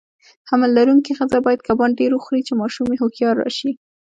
حمل لرونکي خزه باید کبان ډیر وخوري، چی ماشوم یی هوښیار راشي.